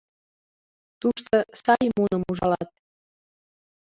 Тушто сай муным ужалат.